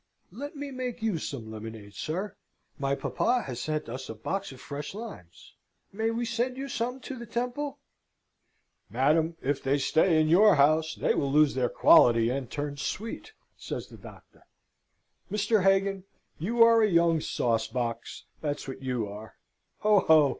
"Let me make you some lemonade, sir; my papa has sent us a box of fresh limes. May we send you some to the Temple?" "Madam, if they stay in your house, they will lose their quality and turn sweet," says the Doctor. "Mr. Hagan, you are a young sauce box, that's what you are! Ho! ho!